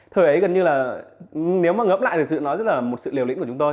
thời ấy gần như là nếu mà ngẫm lại thực sự nó rất là một sự liều lĩnh của chúng tôi